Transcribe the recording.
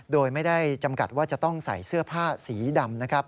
โดยไม่ได้จำกัดว่าจะต้องใส่เสื้อผ้าสีดำนะครับ